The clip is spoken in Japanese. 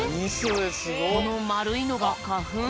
このまるいのがかふん。